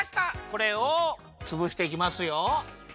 これをつぶしていきますよ。